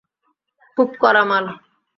খুব কড়া মাল।